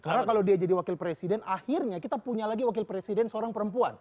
karena kalau dia jadi wakil presiden akhirnya kita punya lagi wakil presiden seorang perempuan